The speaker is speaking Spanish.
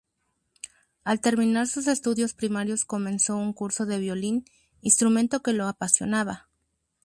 Al terminar sus estudios primarios comenzó un curso de violín, instrumento que lo apasionaba.